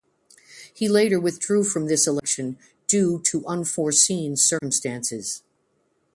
He later withdrew from this election, due to "unforeseen circumstances".